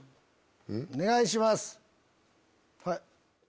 お願いします。